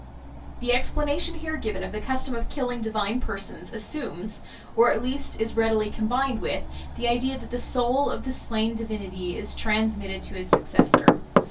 The explanation here given of the custom of killing divine persons assumes, or at least is readily combined with, the idea that the soul of the slain divinity is transmitted to his successor.